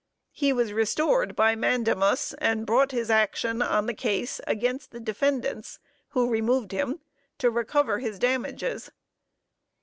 He was restored by mandamus, and brought his action on the case against the defendants who removed him, to recover his damages.